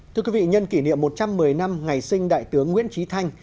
thưa quý vị nhân kỷ niệm một trăm một mươi năm ngày sinh đại tướng nguyễn trí thanh